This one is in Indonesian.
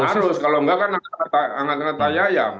ya harus kalau nggak kan anggat anggat tanya ayam